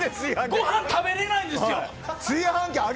ご飯、食べれないんですよ。